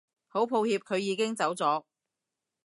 好抱歉佢已經走咗